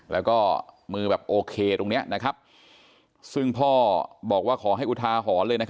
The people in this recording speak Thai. แล้วก็มือแบบโอเคตรงนี้ซึ่งพ่อบอกว่าขอให้อุทาหรณ์เลย